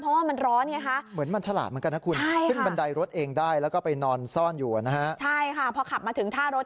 เพราะว่ามันร้อน